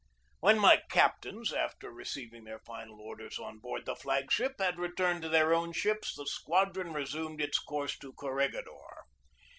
When my captains, after receiving their final orders on board the flag ship, had returned to their own ships, the squadron resumed its course to Cor regidor.